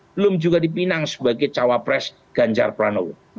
belum juga dipinang sebagai cawapres ganjar pranowo